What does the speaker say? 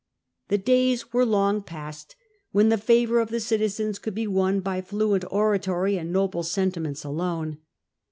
The days were long past when the favour of the citizens could be won by fluent oratory and noble sentiments alone.